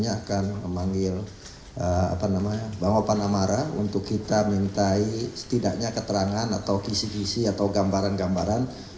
saya akan memanggil bang opan amara untuk kita minta setidaknya keterangan atau kisi kisi atau gambaran gambaran